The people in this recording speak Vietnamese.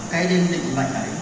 cái đêm tịnh mệnh ấy